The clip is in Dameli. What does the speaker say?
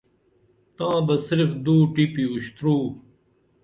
تاں بہ صرف دو ٹِپی اُشتُرو